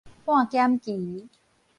半減期